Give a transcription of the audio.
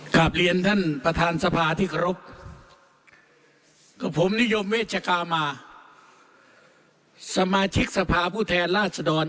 กลับเรียนท่านประธานสภาที่เคารพกับผมนิยมเวชกามาสมาชิกสภาผู้แทนราชดร